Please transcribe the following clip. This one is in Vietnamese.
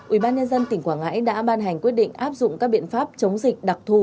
ubnd tỉnh quảng ngãi đã ban hành quyết định áp dụng các biện pháp chống dịch đặc thù